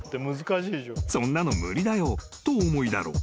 ［そんなの無理だよとお思いだろう。